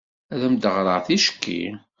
Ad am-d-ɣreɣ ticki?